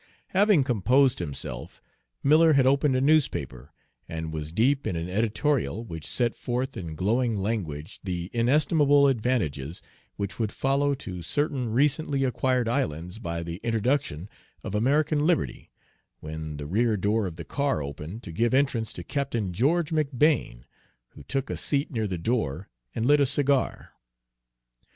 Having composed himself, Miller had opened a newspaper, and was deep in an editorial which set forth in glowing language the inestimable advantages which would follow to certain recently acquired islands by the introduction of American liberty, when the rear door of the car opened to give entrance to Captain George McBane, who took a seat near the door and lit a cigar.